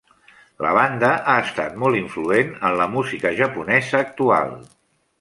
La banda ha estat molt influent en la música japonesa actual.